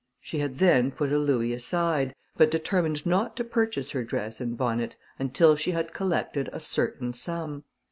She had then put a louis aside, but determined not to purchase her dress and bonnet until she had collected a certain sum.